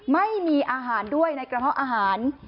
ไม่มีอาหารด้วยในกระเพาะอาหาร